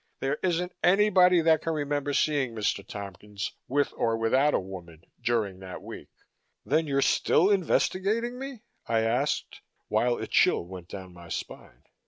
There isn't anybody that can remember seeing Mr. Tompkins, with or without a woman, during that week." "Then you're still investigating me?" I asked, while a chill went down my spine.